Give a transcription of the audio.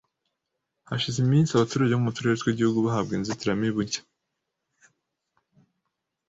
Hashize iminsi abaturage bo mu turere tw’igihugu bahabwa inzitiramibu nshya